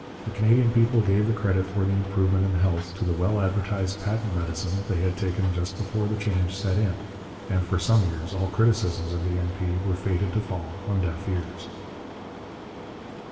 The Canadian people gave the credit for the improvement in health to the well advertised patent medicine they had taken just before the change set in; and for some years all criticisms of the N.P. were fated to fall on deaf ears.